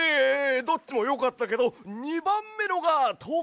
どっちもよかったけど２ばんめのがとくにいい！